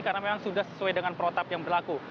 karena memang sudah sesuai dengan protap yang berlaku